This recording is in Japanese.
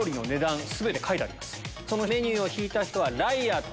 そのメニューを引いた人はライアーとなります。